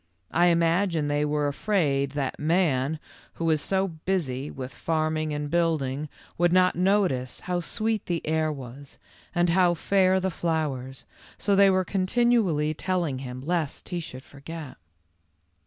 I imagine they were afraid that man, who is so busy with farming and building, would not notice how sweet the air was and how fair the flowers, so they were continually telling him, lest he should forget.